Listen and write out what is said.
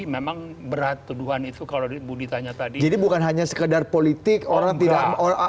memang berat tuduhan itu kalau budi tanya tadi jadi bukan hanya sekedar politik orang tidak